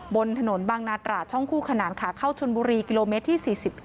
บนถนนบางนาตราช่องคู่ขนานขาเข้าชนบุรีกิโลเมตรที่๔๙